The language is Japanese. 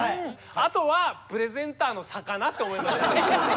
あとはプレゼンターの差かなって思います。